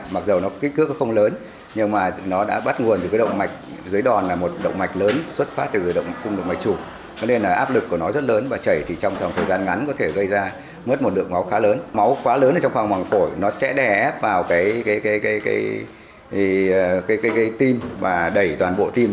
máu quá lớn trong khoảng mảng phổi sẽ đẻ vào tim và đẩy toàn bộ tim